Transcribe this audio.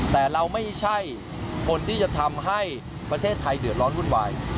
แต่เราไม่ใช่คนที่จะทำให้ประเทศไทยเดือดร้อนวุ่นวาย